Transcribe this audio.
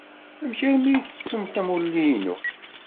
Amek armi ay tettumt amulli-inu?